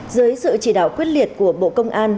dưới sự chỉ đạo quyết liệt của bộ công an